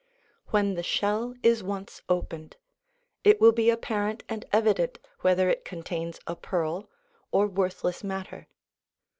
When the shell is once opened, it will be apparent and evident whether it contains a pearl or worthless matter.